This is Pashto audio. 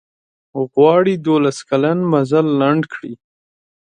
غواړي دولس کلن مزل لنډ کړي.